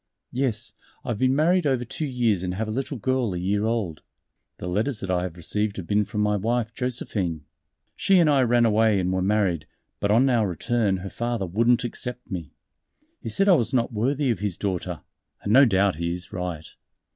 "Yes, I have been married over two years and have a little girl a year old. The letters that I have received have been from my wife Josephine. She and I ran away and were married, but on our return her father wouldn't accept me. He said I was not worthy of his daughter and no doubt he is right.